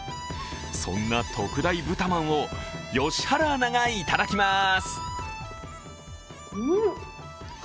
そんな特大ブタまんを良原アナがいただきます。